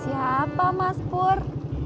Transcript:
siapa mas pur